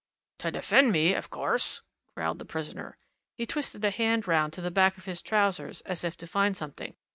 "To defend me, of course!" growled the prisoner. He twisted a hand round to the back of his trousers as if to find something.